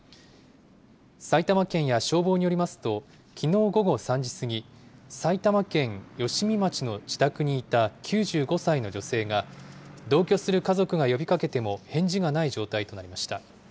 埼玉県や消防によりますと、きのう午後３時過ぎ、埼玉県吉見町の自宅にいた９５歳の女性が、同居する家族が呼びかけても返事がない状態となりました。